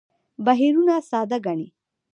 بهیرونه ساده ګڼي.